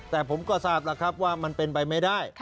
แต่ผมก็ทราบแล้วครับว่ามันเป็นไปไม่ได้